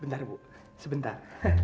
bentar bu sebentar